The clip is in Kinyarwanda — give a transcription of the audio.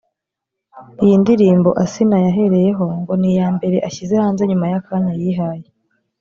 Iyi ndirimbo Asinah yahereyeho ngo ni iya mbere ashyize hanze nyuma y'akanya yihaye